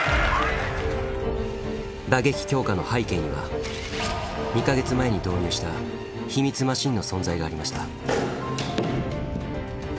打撃強化の背景には２か月前に導入した秘密マシンの存在がありました。